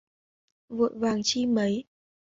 Vội vàng chi mấy